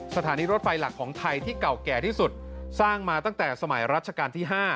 สถานีรถไฟหลักของไทยที่เก่าแก่ที่สุดสร้างมาตั้งแต่สมัยรัชกาลที่๕